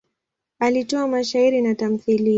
Alitoa mashairi na tamthiliya.